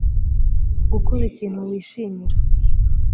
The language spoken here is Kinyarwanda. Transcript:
gukora ikintu wishimira.